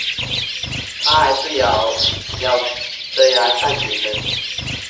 她还是咬著牙站起身